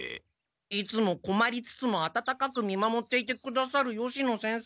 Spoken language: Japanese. いつもこまりつつも温かく見守っていてくださる吉野先生